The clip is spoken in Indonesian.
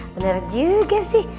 bener juga sih